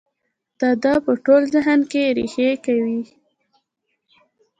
د ده په ټول ذهن کې رېښې کوي.